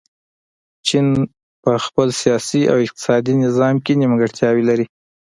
چین په خپل سیاسي او اقتصادي نظام کې نیمګړتیاوې لري.